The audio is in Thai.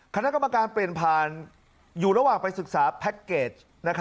คณะกรรมการเปลี่ยนผ่านอยู่ระหว่างไปศึกษาแพ็คเกจ